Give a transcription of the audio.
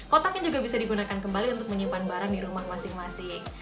kotaknya juga bisa digunakan kembali untuk menyimpan barang di rumah masing masing